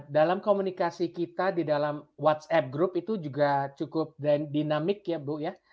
dalam komunikasi kita di dalam whatsapp group itu juga cukup dinamik ya bu ya